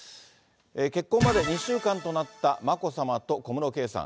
結婚まで２週間となった眞子さまと小室圭さん。